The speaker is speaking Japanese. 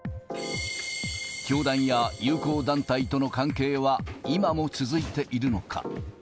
教団や友好団体との関係は今も続いているのか。